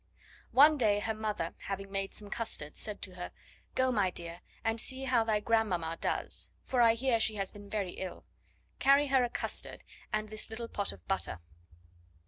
One day her mother, having made some custards, said to her: "Go, my dear, and see how thy grandmamma does, for I hear she has been very ill; carry her a custard, and this little pot of butter."